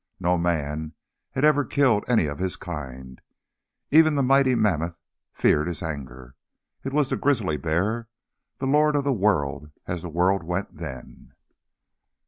No man had ever killed any of his kind. Even the mighty mammoth feared his anger. It was the grizzly bear, the lord of the world as the world went then.